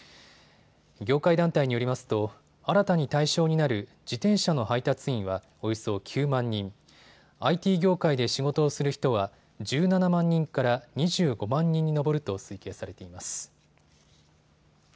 業界団体によりますと新たに対象になる自転車の配達員はおよそ９万人、ＩＴ業界で仕事をする人は１７万人から２５万人に上ると推計されています。